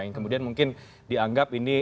yang kemudian mungkin dianggap ini